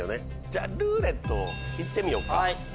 じゃあ「ルーレット」行ってみようか。